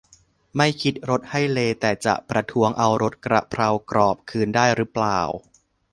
ไม่คิดรสให้เลย์แต่จะประท้วงเอารสกระเพรากรอบคืนได้รึเปล่า